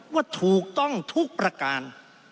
ว่าถูกต้องทุกประการ